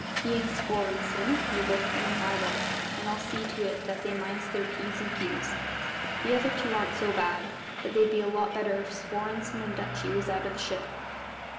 He and Svorenssen will both be in my watch, and I'll see to it that they minds their P's and Q's. The other two aren't so bad; but they'd be a lot better if Svorenssen and Dutchy was out of the ship."